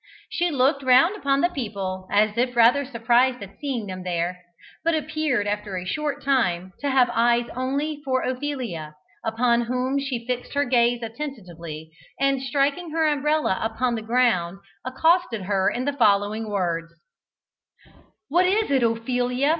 She looked round upon the people as if rather surprised at seeing them there, but appeared after a short time to have eyes only for Ophelia, upon whom she fixed her gaze attentively, and striking her umbrella upon the ground accosted her in the following words: "What is it, Ophelia!